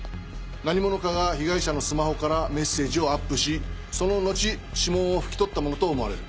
何者かが被害者のスマホからメッセージをアップしその後指紋をふき取ったものと思われる。